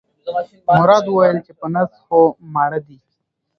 مراد وویل چې په نس خو ماړه دي.